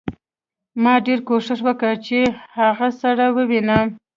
ما ډېر کوښښ وکړ چې هغه سړی ووینم